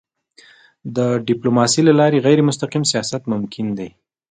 د ډيپلوماسی له لارې غیرمستقیم سیاست ممکن دی.